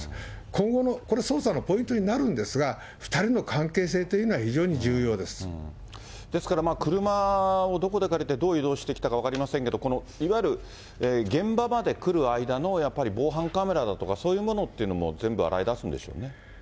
今後の、これ、捜査のポイントになるんですが、２人の関係性というのは非常に重ですから、車をどこで借りて、どう移動してきたか分かりませんけど、いわゆる、現場まで来る間のやっぱり防犯カメラだとかそういうものっていうのも、全部洗い出すんでしょうね。